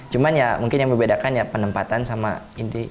cuman ya mungkin yang berbeda kan ya penempatan sama inti